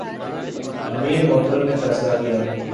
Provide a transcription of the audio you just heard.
امیر محترم نے فیصلہ کیا